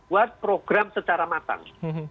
buat program secara matang